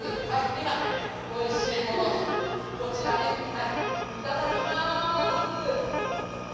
では、おいしいものこちら、いただきまーす！